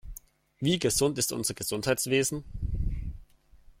Wie gesund ist unser Gesundheitswesen?